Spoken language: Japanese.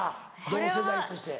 同世代として。